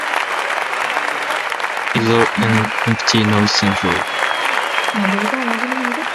A turbinectomy may result in empty nose syndrome.